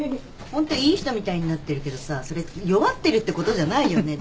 ホントいい人みたいになってるけどさそれって弱ってるってことじゃないよね？